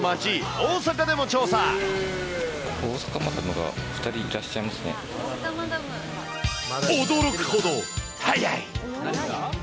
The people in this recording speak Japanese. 大阪マダムが２人いらっしゃ驚くほど、早い。